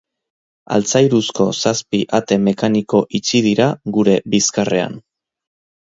Altzairuzko zazpi ate mekaniko itxi dira gure bizkarrean.